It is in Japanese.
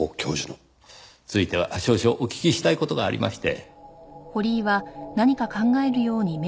ついては少々お聞きしたい事がありまして。